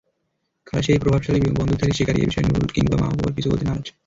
কারা সেই প্রভাবশালী বন্দুকধারী শিকারি—এ বিষয়ে নুরুল কিংবা মাহাবুবুর কিছু বলতে নারাজ।